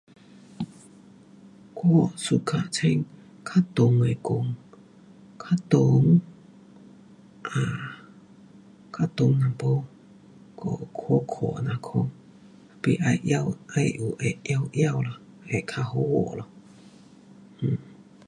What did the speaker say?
我 suka 穿较长的裙。较长 um 较长一点还有阔阔那款。